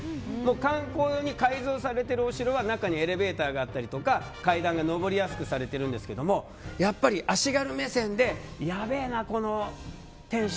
観光用に改造されているお城は中にエレベーターがあったり階段が上りやすくされてるんですけどやっぱり足軽目線でやべーな、この天守